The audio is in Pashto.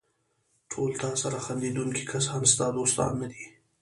ټول تاسره خندېدونکي کسان ستا دوستان نه دي.